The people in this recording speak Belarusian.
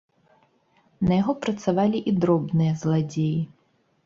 На яго працавалі і дробныя зладзеі.